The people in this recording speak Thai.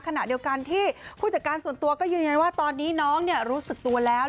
ขณะเดียวกันที่ผู้จัดการส่วนตัวก็ยืนยันว่าตอนนี้น้องรู้สึกตัวแล้ว